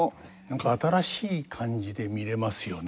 何か新しい感じで見れますよね。